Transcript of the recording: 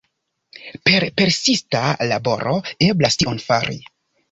Per persista laboro eblas tion fari.